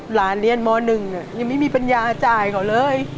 หลานเรียนม๑ยังไม่มีปัญญาจ่ายเขาเลย